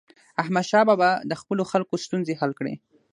احمدشاه بابا د خپلو خلکو ستونزې حل کړي.